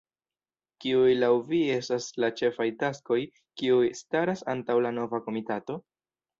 Kiuj laŭ vi estas la ĉefaj taskoj, kiuj staras antaŭ la nova komitato?